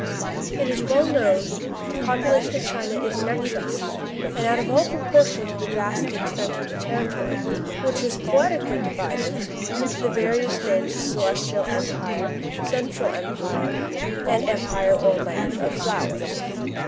'* It is well known that the population of China is in excess, and out of all proportion to the vast extent of the territory, which is poetically divided into the various names of Celestial Empire, Cen tral Empire, and Empire or Land of Flowers.